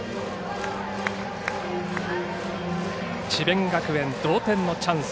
智弁学園同点のチャンス